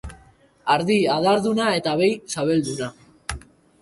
Ardi adarduna eta behi sabelduna.